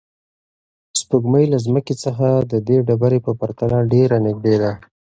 سپوږمۍ له ځمکې څخه د دې ډبرې په پرتله ډېره نږدې ده.